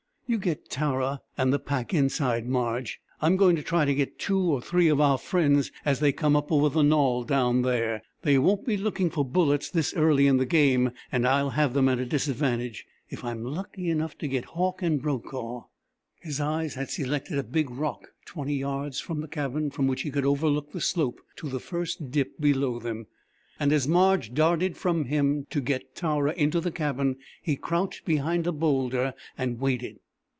"You get Tara and the pack inside, Marge. I'm going to try to get two or three of our friends as they come up over the knoll down there. They won't be looking for bullets this early in the game and I'll have them at a disadvantage. If I'm lucky enough to get Hauck and Brokaw...." His eyes had selected a big rock twenty yards from the cabin from which he could overlook the slope to the first dip below them, and as Marge darted from him to get Tara into the cabin he crouched behind the boulder and waited.